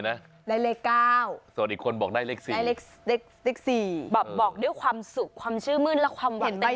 อะไรนะได้เลขก้าวส่วนอีกคนบอกได้เลขสี่บอกด้วยความสุขความชื่อมืดและความเห็นใต้เตียบ